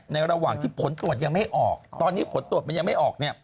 ระหว่างที่ผลตรวจยังไม่ออกตอนนี้ผลตรวจมันยังไม่ออก